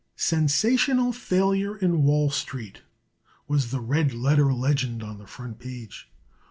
"Sensational Failure in Wall Street," was the red letter legend on the front page.